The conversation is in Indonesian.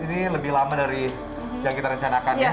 ini lebih lama dari yang kita rencanakan ya